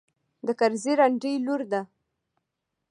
د کرزي رنډۍ لور ده.